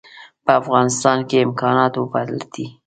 په افغانستان کې امکانات وپلټي.